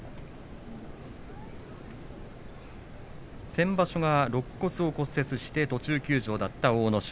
先場所はろっ骨を骨折して途中休場だった阿武咲。